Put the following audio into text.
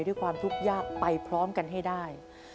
ด้วยความทุกข์ยากไปพร้อมกันให้ได้